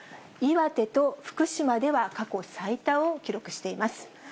岩手と福島では過去最多を記録しています。